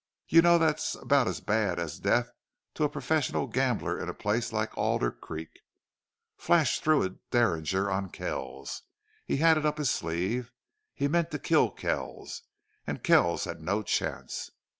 You know that's about as bad as death to a professional gambler in a place like Alder Creek. Flash threw a derringer on Kells. He had it up his sleeve. He meant to kill Kells, and Kells had no chance.